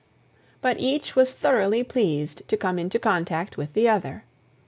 But each was thoroughly pleased to come into contact with the other.